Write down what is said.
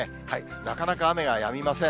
なかなか雨がやみません。